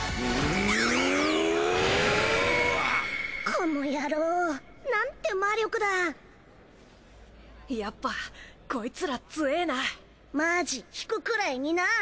この野郎何て魔力だやっぱこいつらつえぇなマぁジ引くくらいにな！